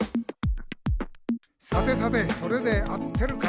「さてさてそれで合ってるかな？」